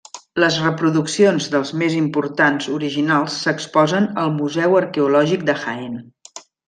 Les reproduccions dels més importants originals s'exposen al Museu Arqueològic de Jaén.